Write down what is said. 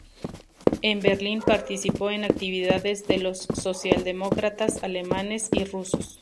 En Berlín, participó en actividades de los socialdemócratas alemanes y rusos.